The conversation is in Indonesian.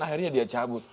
akhirnya dia cabut